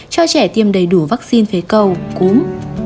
cho trẻ tiêm đầy đủ vaccine phế cầu cúm